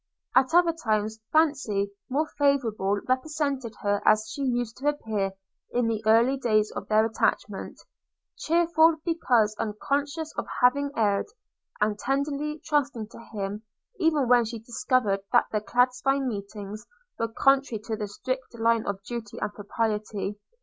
At other times fancy, more favourable, represented her as she used to appear in the early days of their attachment – cheerful, because unconscious of having erred – and tenderly trusting to him, even when she discovered that their clandestine meetings, were contrary to the strict line of duty and propriety.